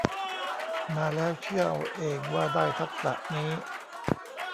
มาแล้วเชื่อเอาเองว่าได้ทักษะนี้